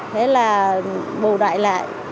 thế là bù đại lại